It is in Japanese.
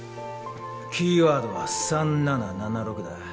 キーワードは３７７６だ。